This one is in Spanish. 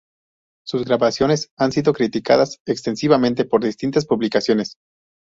Sus grabaciones han sido criticadas extensivamente por distintas publicaciones.